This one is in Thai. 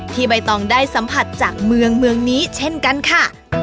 ที่ไม่ต้องได้สัมผัสจากเมืองนี้เช่นกันค่ะ